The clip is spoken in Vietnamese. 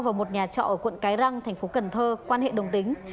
vào một nhà trọ ở quận cái răng thành phố cần thơ quan hệ đồng tính